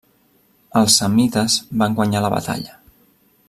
Els samnites van guanyar la batalla.